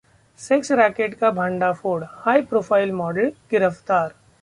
sex racket का भंडाफोड़, high profile model गिरफ्तार